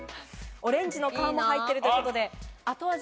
オレンジの皮も入っているということです。